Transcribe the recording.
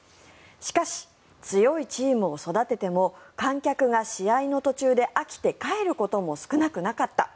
しかし、強いチームを育てても観客が試合の途中で飽きて帰ることも少なくなかった。